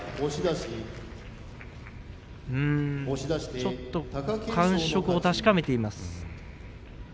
ちょっと感触を確かめています。